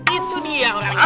itu dia orang itu